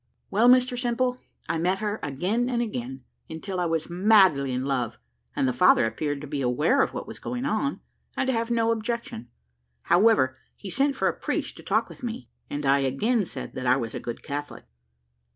"Well, Mr Simple, I met her again and again, until I was madly in love, and the father appeared to be aware of what was going on, and to have no objection. However, he sent for a priest to talk with me, and I again said that I was a good Catholic.